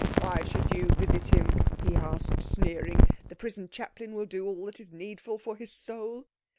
'Why should you visit him?' he asked, sneering. 'The prison chaplain will do all that is needful for his soul.'